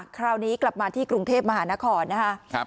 คราวนี้กลับมาที่กรุงเทพมหานครนะครับ